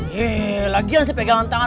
he lagian sih pegangan tangan